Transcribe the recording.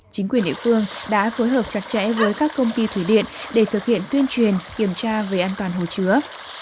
chính quyền địa phương đã phối hợp chặt chẽ với các công ty thủy điện để thực hiện tuyên truyền kiểm tra về an toàn hồ chứa